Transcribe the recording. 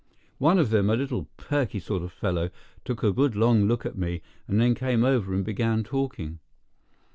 One of them, a little perky sort of fellow, took a good long look at me, and then came over and began talking.